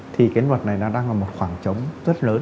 thì cái luật này nó đang là một khoảng trống rất lớn